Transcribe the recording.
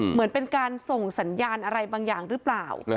เหมือนเป็นการส่งสัญญาณอะไรบางอย่างหรือเปล่า